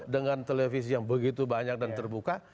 dengan televisi yang begitu banyak dan terbuka